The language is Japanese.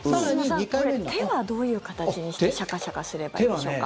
手はどういう形にしてシャカシャカすればいいでしょうか。